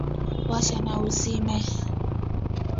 Washa na uzime.